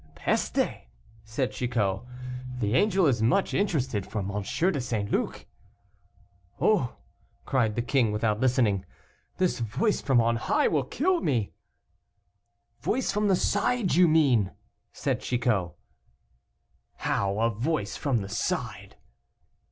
"Peste!" said Chicot; "the angel is much interested for M. de St. Luc." "Oh!" cried the king, without listening, "this voice from on high will kill me." "Voice from the side, you mean," said Chicot. "How! a voice from the side?"